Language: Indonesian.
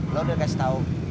lo udah kasih tau